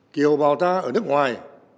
chiều bào ta ở nước ngoài